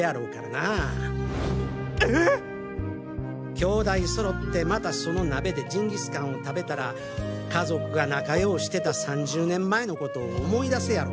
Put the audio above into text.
「兄弟そろってまたその鍋でジンギスカンを食べたら家族が仲よしてた３０年前の事を思い出すやろ」